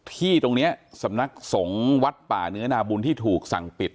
ที่ตรงนี้สำนักสงฆ์วัดป่าเนื้อนาบุญที่ถูกสั่งปิด